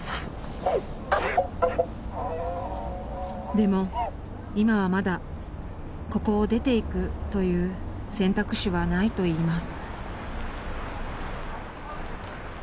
でも、今はまだここを出ていくという選択肢はないといいます。